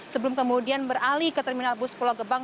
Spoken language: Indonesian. sebelum kemudian beralih ke terminal bus pulau gebang